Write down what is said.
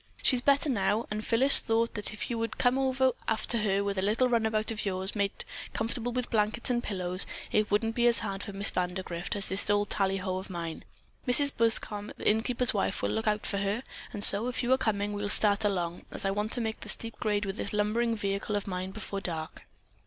She's better now, and Phyllis thought that if you would come over after her with that little runabout of yours, made comfortable with blankets and pillows, it wouldn't be as hard for Miss Vandergrift as this old tallyho of mine. Mrs. Buscom, the innkeeper's wife, will look out for her, and so, if you are coming, we'll start along, as I want to make the steep grade with this lumbering vehicle of mine before dark."